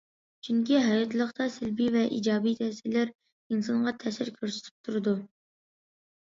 چۈنكى، ھاياتلىقتا سەلبىي ۋە ئىجابىي تەسىرلەر ئىنسانغا تەسىر كۆرسىتىپ تۇرىدۇ.